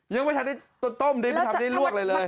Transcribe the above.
ยังไม่ชัดต้นต้มนี่มันทำได้ลวกเลย